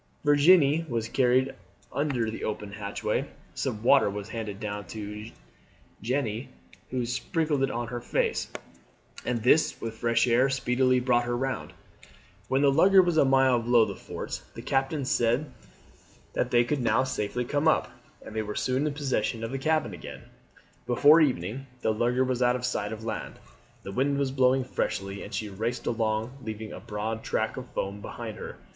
Virginie was carried under the open hatchway; some water was handed down to Jeanne, who sprinkled it on her face, and this with the fresh air speedily brought her round. When the lugger was a mile below the forts, the captain said that they could now safely come up, and they were soon in possession of the cabin again. Before evening the lugger was out of sight of land. The wind was blowing freshly, and she raced along leaving a broad track of foam behind her.